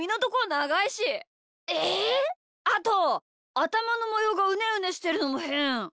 あとあたまのもようがうねうねしてるのもへん！